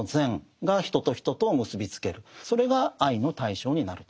それが愛の対象になると。